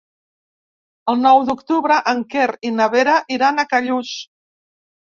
El nou d'octubre en Quer i na Vera iran a Callús.